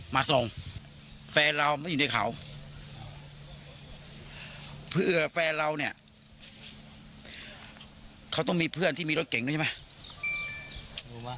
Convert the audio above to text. มาส่งแฟนเราไม่อยู่ในเขาเผื่อแฟนเราเนี่ยเขาต้องมีเพื่อนที่มีรถเก่งด้วยใช่ไหม